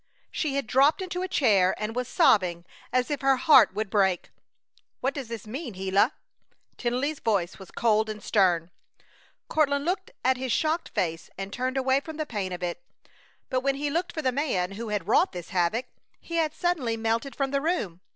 She had dropped into a chair and was sobbing as if her heart would break. "What does this mean, Gila?" Tennelly's voice was cold and stern. Courtland looked at his shocked face and turned away from the pain of it. But when he looked for the man who had wrought this havoc he had suddenly melted from the room!